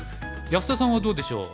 安田さんはどうでしょう？